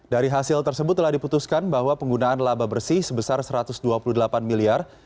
dari hasil tersebut telah diputuskan bahwa penggunaan laba bersih sebesar satu ratus dua puluh delapan miliar